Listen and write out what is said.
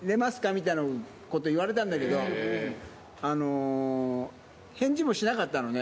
みたいなことを言われたんだけど、返事もしなかったのね。